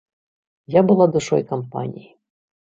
Я была душой кампаніі.